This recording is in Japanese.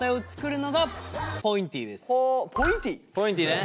ポインティね！